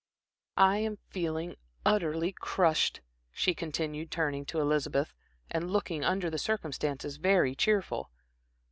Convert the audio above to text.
"I am feeling utterly crushed," she continued, turning to Elizabeth, and looking under the circumstances, very cheerful.